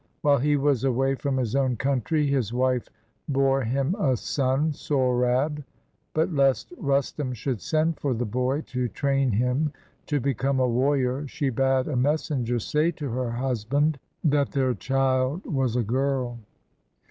While he was away from his own country, his wife bore him a son, Sohrab; but lest Rustum should send for the boy to train him to become a warrior, she bade a messen ger say to her husband that their child was a girl.